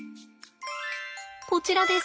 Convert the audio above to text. こちらです。